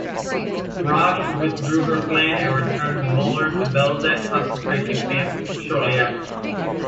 Rosh withdrew her plan and returned the molar to Belzec concentration camp shortly after.